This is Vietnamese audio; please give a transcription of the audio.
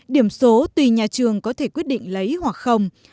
điểm số tùy nhà trường có thể quyết định lấy hoặc không